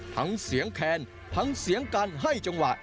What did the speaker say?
ทั้งเสียงแคนทั้งเสียงการให้จังหวะ